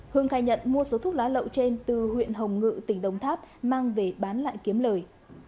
hương khai nhận mua số thuốc lá lậu trên từ huyện hồng ngự tỉnh đồng tháp mang về bán lại kiếm lời